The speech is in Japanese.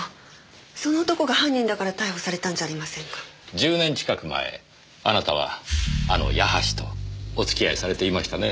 １０年近く前あなたはあの矢橋とお付き合いされていましたねぇ。